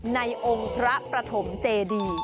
ในองค์พระประถมเจดี